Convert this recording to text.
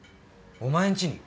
お前んちに？